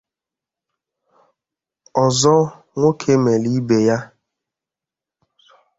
Ọzọ Nwokemeeleibeya